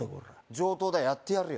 上等だやってやるよ